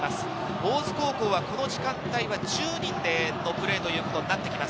大津高校はこの時間帯、１０人でのプレーということになってきます。